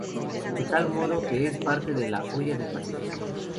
De tal modo que es parte de la Hoya del Pacífico.